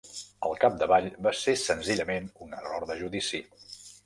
Al capdavall, va ser senzillament un error de judici.